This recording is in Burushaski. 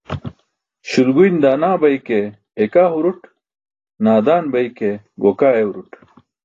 Śulguyn daana bay ke eekaa hurut, naadaan bay ke gookaa ewrut.